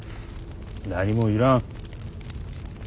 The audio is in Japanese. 何もいらん。